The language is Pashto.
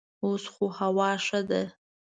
اوس خو هوا ښه ده.